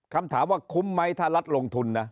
คำถามว่าคุ้มไหมถ้ารัฐลงทุนนะ